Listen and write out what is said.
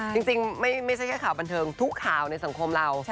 จริงไม่ใช่แค่ข่าวบันเทิงทุกข่าวในสังคมเรา